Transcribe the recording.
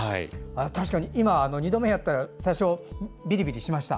確かに今、あの２度目やったら最初ビリビリしました。